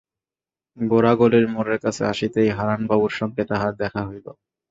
গোরা গলির মোড়ের কাছে আসিতেই হারানবাবুর সঙ্গে তাহার দেখা হইল।